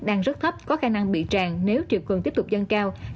đang rất thấp có khả năng bị tràn nếu triều cường tiếp tục dân cao